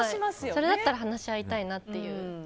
それだったら話し合いたいなっていう。